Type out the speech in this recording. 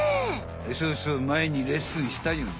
そうそうまえにレッスンしたよね。